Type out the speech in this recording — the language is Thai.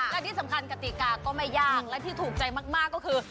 และที่สำคัญกติกาก็ไม่ยากและที่ถูกใจมากก็คือ